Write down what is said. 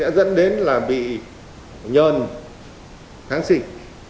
sẽ dẫn đến là bị nhờn kháng sinh